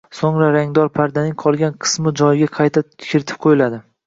So‘ngra rangdor pardaning qolgan qismi joyiga qayta kiritib qo‘yilandi